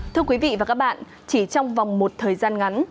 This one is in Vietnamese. thưa quý vị và các bạn chỉ trong vòng một thời gian ngắn